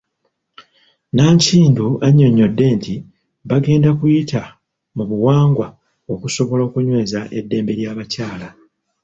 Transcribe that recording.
Nankindu annyonnyodde nti bagenda kuyita mu buwangwa okusobola okunyweza eddembe ly'abakyala.